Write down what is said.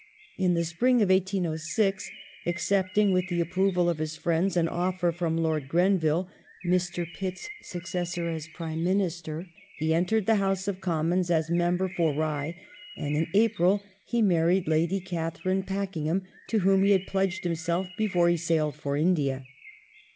In the spring of 1806, accepting, with the ap proval of his friends, an offer from Lord Grenville, Mr. Pitt's successor as Prime Minister, he entered the House of Commons as Member for Eye, and in April he married Lady Catherine Pakenham, to whom he had pledged himself before he sailed for India.